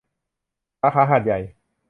สาขาหาดใหญ่